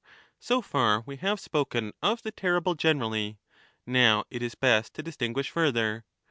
^ So far we have spoken of the terrible generally ; now it is best to distinguish further.